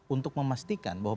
untuk memastikan bahwa